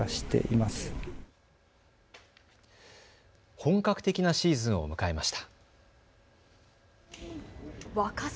本格的なシーズンを迎えました。